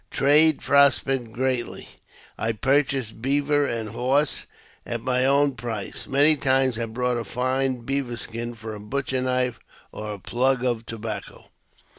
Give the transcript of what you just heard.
Trade prospered greatly, I purchased beaver and horses at my own price. Many times I bought a fine beaver skin for a butcher knife or a plug of tobacco.